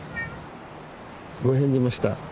ご返事もした。